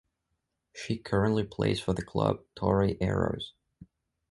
She currently plays for the club Toray Arrows.